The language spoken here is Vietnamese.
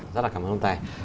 rất là cảm ơn ông tài